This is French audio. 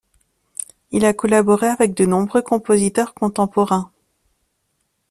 Il a collaboré avec de nombreux compositeurs contemporains.